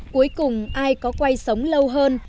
cuối cùng ai có quay sống lâu hơn